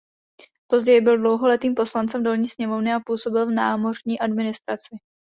Později byl dlouholetým poslancem Dolní sněmovny a působil v námořní administraci.